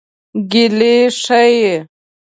ګیلې ښيي.